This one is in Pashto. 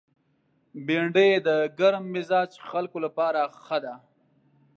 بېنډۍ د ګرم مزاج خلکو لپاره ښه ده